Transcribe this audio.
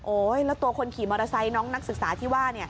แล้วตัวคนขี่มอเตอร์ไซค์น้องนักศึกษาที่ว่า